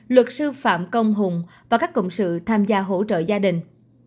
luật sư phạm công hùng và các cộng sự tham gia hỗ trợ gia đình